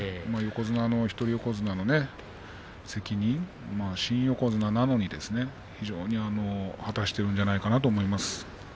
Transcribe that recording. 一人横綱の責任を新横綱なのに非常に果たしているんじゃないかなと思います。